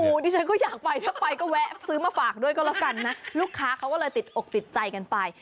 ดิฉันก็อยากไปถ้าไปก็แวะซื้อมาฝากด้วยก็แล้วกันนะลูกค้าเขาก็เลยติดอกติดใจกันไป